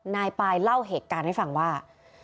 นายปายเล่าเหตุการณ์ให้ฟังว่า